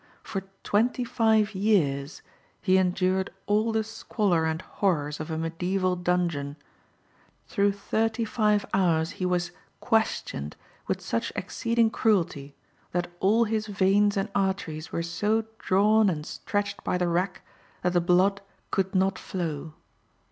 For twenty five years he endured all the squalor and horrors of a mediaeval dungeon; through thirty five hours he was "questioned" with such exceeding cruelty that all his veins and arteries were so drawn and stretched by the rack that the blood could not flow.